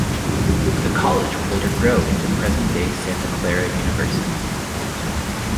The College would later grow into present-day Santa Clara University.